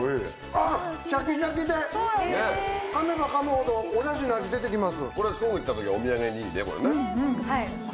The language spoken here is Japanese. あっシャキシャキでかめばかむほどおダシの味出てきます。